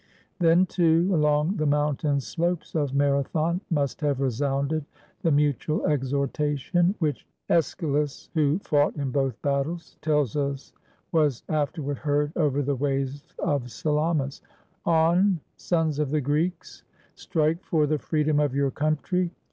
Then, too, along the mountain slopes of Marathon must have resounded the mutual exhortation, which ^schylus, who fought in both battles, tells us was after ward heard over the waves of Salamis: "On, sons of the Greeks! Strike for the freedom of your country!